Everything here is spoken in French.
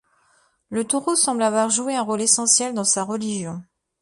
Le taureau semble avoir joué un rôle essentiel dans sa religion.